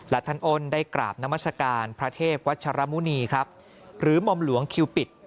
และท่านอ้นได้กราบนามัศกาลพระเทพวัชรมุณีครับหรือหม่อมหลวงคิวปิด